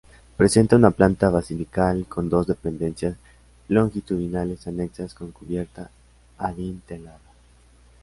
Presenta una planta basilical con dos dependencias longitudinales anexas con cubierta adintelada.